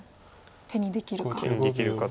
手にできるか。